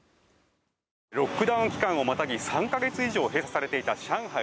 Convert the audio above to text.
ロックダウン期間をまたぎ３か月以上閉鎖されていた上海